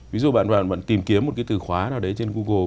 ví dụ bạn tìm kiếm một cái từ khóa nào đấy trên google